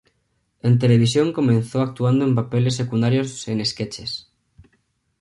En televisión comenzó actuando en papeles secundarios en "sketches".